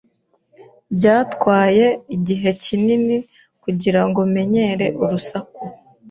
Byatwaye igihe kinini kugirango menyere urusaku.